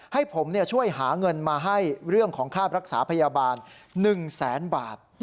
ให้ผมช่วยหาเงินมาให้เรื่องของค่ารักษาพยาบาล๑แสนบาท